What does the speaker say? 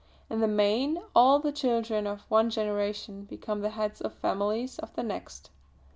In the main, all the children of one generation become the heads of families of the next.